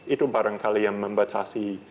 itu barangkali yang membatasi